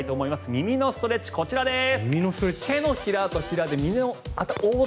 耳のストレッチ、こちらです。